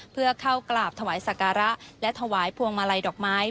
เพื่อเข้ากราบถวายสักการะและถวายพวงมาลัยดอกไม้